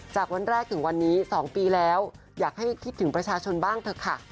วันแรกถึงวันนี้๒ปีแล้วอยากให้คิดถึงประชาชนบ้างเถอะค่ะ